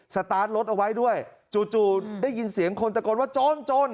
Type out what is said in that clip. สตาร์ทรถเอาไว้ด้วยจู่ได้ยินเสียงคนตะโกนว่าจนจน